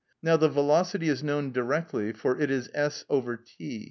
Now the velocity is known directly; for it is S/T.